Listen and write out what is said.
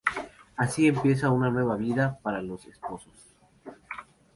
Así empieza una nueva vida para los esposos.